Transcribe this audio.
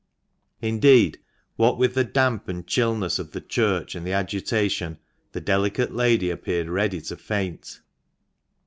Indeed, what with the damp and chillness of the church, and the agitation, the delicate lady appeared ready to faint.